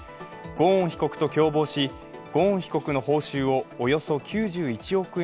ゴーン被告と共謀しゴーン被告の報酬をおよそ９１億円